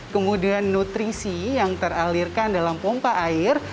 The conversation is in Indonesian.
kemudian nutrisi yang teralirkan dalam pompa air